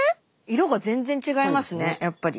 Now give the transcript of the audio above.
色が全然違いますねやっぱり。